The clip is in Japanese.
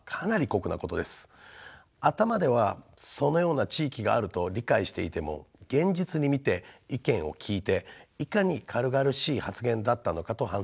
頭ではそのような地域があると理解していても現実に見て意見を聞いていかに軽々しい発言だったのかと反省もしました。